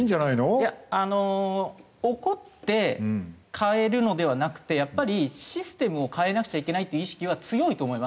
いやあの怒って変えるのではなくてやっぱりシステムを変えなくちゃいけないっていう意識は強いと思います。